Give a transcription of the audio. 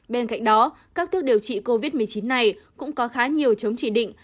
bên cạnh đó các thuốc điều trị covid một mươi chín này cũng có khá nhiều chống chỉ định